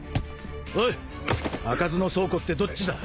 おい開かずの倉庫ってどっちだ？